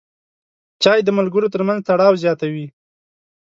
چای د ملګرو ترمنځ تړاو زیاتوي.